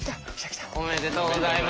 おめでとうございます。